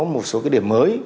một số điểm mới